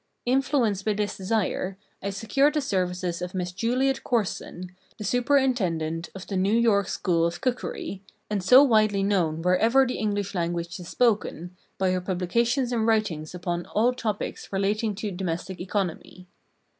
Influenced by this desire, I secured the services of Miss Juliet Corson, the superintendent of the New York School of Cookery, and so widely known wherever the English language is spoken, by her publications and writings upon all topics relating to domestic economy.